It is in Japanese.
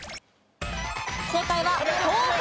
正解は豆腐。